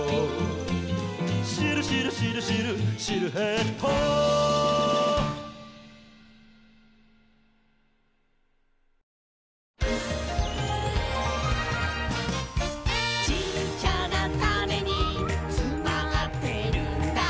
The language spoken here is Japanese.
「シルシルシルシルシルエット」「ちっちゃなタネにつまってるんだ」